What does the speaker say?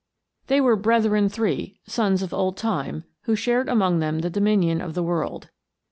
THEY were brethren three, sons of Old Time, who shared among them the dominion of the world.